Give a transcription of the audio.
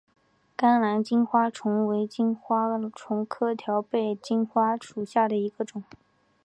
甘蓝金花虫为金花虫科条背金花虫属下的一个种。